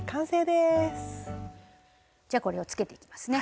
じゃこれをつけていきますね。